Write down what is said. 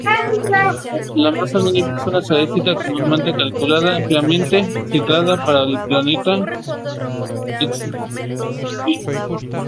La masa mínima es una estadística comúnmente calculada y ampliamente citada para planeta extrasolares.